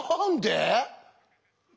何で？